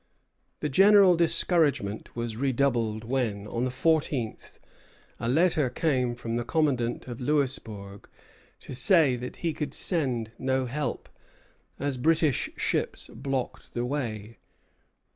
The general discouragement was redoubled when, on the fourteenth, a letter came from the commandant of Louisbourg to say that he could send no help, as British ships blocked the way.